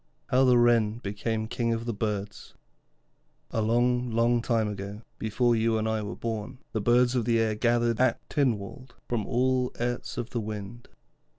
HOW THE WREN BECAME KING OF THE BIRDS A long, long time ago, before you and I were born, the birds of the air gathered at Tynwald from all airts of the wind.